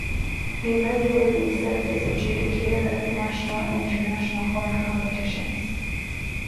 He regularly served as adjudicator at national and international horn competitions.